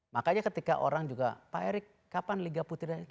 makanya ketika orang juga pak erick kapan liga putri